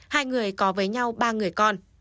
hai người có với nhau ba người con